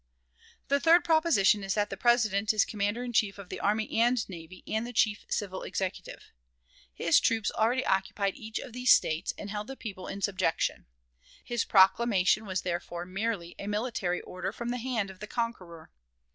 The third proposition is that the President is Commander in Chief of the Army and Navy and the chief civil executive. His troops already occupied each of these States, and held the people in subjection. His proclamation was therefore merely a military order from the hand of the conqueror.